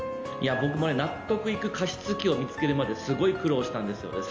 僕も納得のいく加湿器を見つけるまですごい苦労したんですよ。